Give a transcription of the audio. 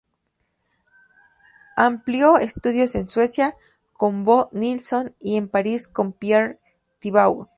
Amplió estudios en Suecia con Bo Nilsson y en París con Pierre Thibaud.